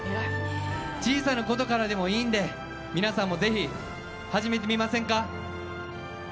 小さなことからでもいいんで皆さんもぜひ始めてみませんか？